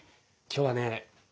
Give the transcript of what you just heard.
今日はね